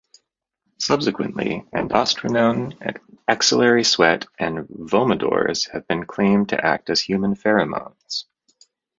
Subsequently, androstenone, axillary sweat, and "vomodors" have been claimed to act as human pheromones.